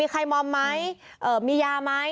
มีใครมอมมั้ยมียามั้ย